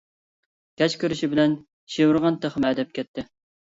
كەچ كىرىشى بىلەن شىۋىرغان تېخىمۇ ئەدەپ كەتتى.